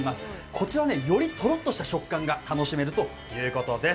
こちらはより、とろっとした食感が楽しめるということです。